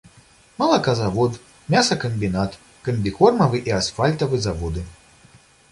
Малаказавод, мясакамбінат, камбікормавы і асфальтавы заводы.